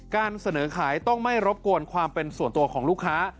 การเสนอขายต้องไม่รบกวนความเป็นส่วนตัวของลูกค้า